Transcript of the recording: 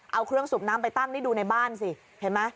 เอาเครื่องสูบน้ำไปตั้งนี่ดูในบ้านสิเห็นไหม